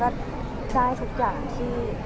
อ๋อก็ผมก็คิดว่าผมก็ได้ทุกอย่างที่